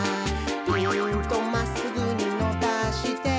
「ピーンとまっすぐにのばして」